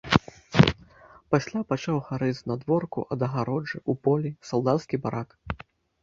Пасля пачаў гарэць знадворку ад агароджы, у полі, салдацкі барак.